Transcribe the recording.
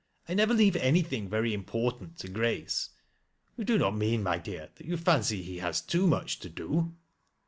I never leave anything very important to Grace. You do not mean, my dear, that you fancy ho has too much to do